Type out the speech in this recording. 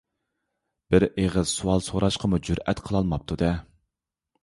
بىر ئېغىز سوئال سوراشقىمۇ جۈرئەت قىلالماپتۇ-دە.